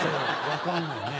分かんないね。